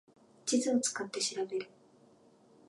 地図を使って調べる